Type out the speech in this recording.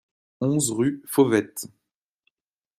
onze rue Fauvettes